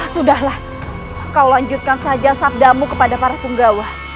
sudahlah kau lanjutkan saja sabdamu kepada para penggawa